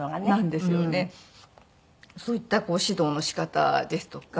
そういった指導の仕方ですとか。